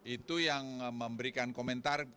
itu yang memberikan komentar